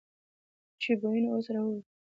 چې بویونه یې اوس را وځي.